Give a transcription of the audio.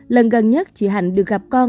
lần gần nhất chị h được gặp con